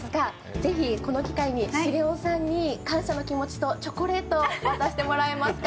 ぜひこの機会に茂雄さんに感謝の気持ちとチョコレートを渡してもらえますか？